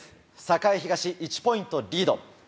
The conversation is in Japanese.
栄東１ポイントリード。